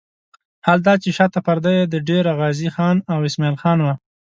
حال دا چې شاته پرده یې د ډېره غازي خان او اسماعیل خان وه.